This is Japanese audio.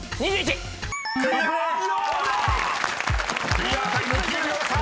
［クリアタイム９秒３！］